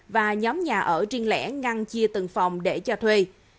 và nhóm nhà ở riêng lẻ ngăn chia từng phòng để cho thuê